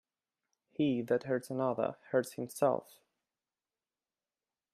He that hurts another, hurts himself.